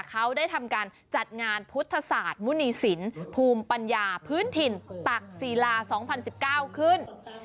เขาได้ทำการจัดงานพุทธศาสตร์มุณีศิลป์ภูมิปัญญาพื้นถิ่นตักศิลา๒๐๑๙ขึ้น